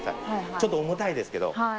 ちょっと重たいですけど。